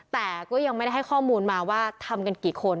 แต่ก็ยังไม่ได้ให้ข้อมูลมาว่าทำกันกี่คน